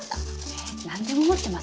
え何でも持ってますね。